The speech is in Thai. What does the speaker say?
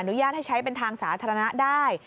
ญาตให้ใช้เป็นทางสาธารณะได้